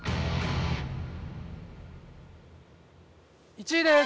１位です！